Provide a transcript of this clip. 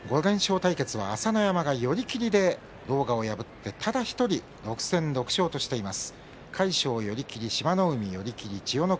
対決は朝乃山が寄り切りで狼雅を破って、ただ１人６戦６勝としています。